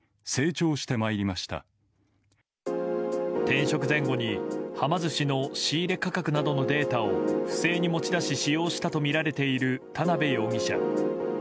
転職前後に、はま寿司の仕入れ価格などのデータを不正に持ち出し使用したとみられている田辺容疑者。